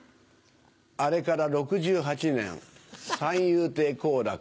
あれから６８年三遊亭好楽